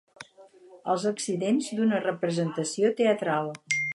Els accidents d'una representació teatral.